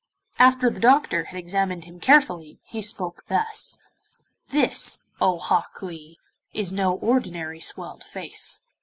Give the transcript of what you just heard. After the doctor had examined him carefully, he spoke thus: 'This, O Hok Lee, is no ordinary swelled face.